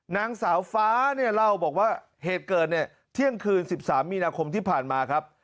นางสาวฟ้าเนี่ยเล่าบอกว่าเหตุเกิดเนี่ยเที่ยงคืน๑๓มีนาคมที่ผ่านมาครับ